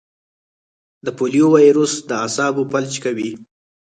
د پولیو وایرس د اعصابو فلج کوي.